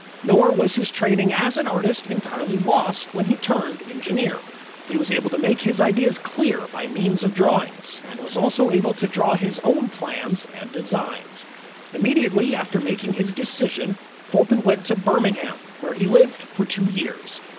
Nor was his training as an artist entirely lost when he turned engineer. He was able to make his ideas clear by means of drawings, and was also able to draw his own plans and designs. Immediately after making his decision, Fulton went to Birmingham, where he lived for two years.